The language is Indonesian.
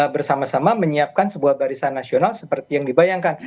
bersama sama menyiapkan sebuah barisan nasional seperti yang dibayangkan